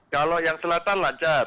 kalau yang selatan lancar